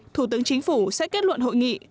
thủ tướng chính phủ sẽ kết luận hội nghị